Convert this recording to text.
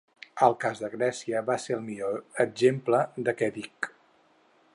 El cas de Grècia va ser el millor exemple de què dic.